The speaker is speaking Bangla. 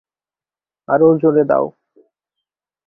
আরও জোরে দাও।